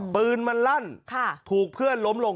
ปืนมันลั่นถูกเพื่อนล้มลง